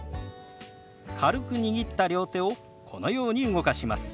軽く握った両手をこのように動かします。